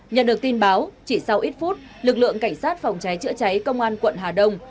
nhận được tin báo chỉ sau ít phút lực lượng cảnh sát phòng cháy chữa cháy công an quận hà đông